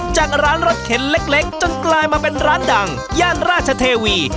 จากร้านรถเข็นเล็กจนกลายมาเป็นร้านดังย่านราชเทวี